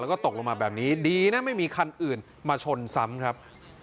แล้วก็ตกลงมาแบบนี้ดีนะไม่มีคันอื่นมาชนซ้ำครับ